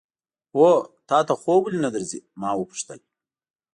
هو، تا ته خوب ولې نه درځي؟ ما وپوښتل.